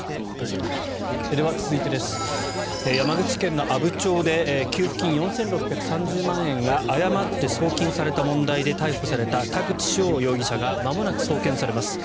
では、続いて山口県の阿武町で給付金４６３０万円が誤って送金された問題で逮捕された田口翔容疑者がまもなく送検されます。